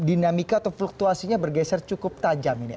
dan dinamika atau fluktuasinya bergeser cukup tajam ini